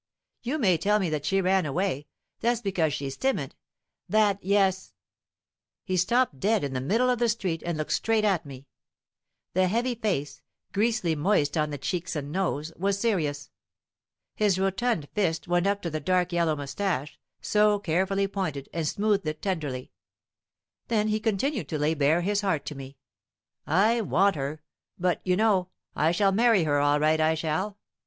You may tell me that she ran away; that's because she's timid, that, yes " He stopped dead in the middle of the street and looked straight at me. The heavy face, greasily moist on the cheeks and nose, was serious. His rotund fist went up to the dark yellow mustache, so carefully pointed, and smoothed it tenderly. Then he continued to lay bare his heart to me "I want her; but, you know, I shall marry her all right, I shall.